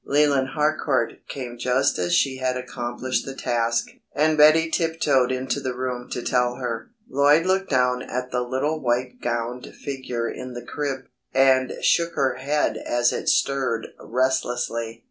Leland Harcourt came just as she had accomplished the task, and Betty tiptoed into the room to tell her. Lloyd looked down at the little white gowned figure in the crib, and shook her head as it stirred restlessly.